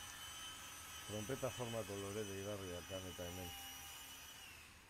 Tronpeta formako lore deigarriak han eta hemen.